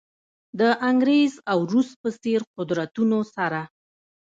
د انګریز او روس په څېر قدرتونو سره.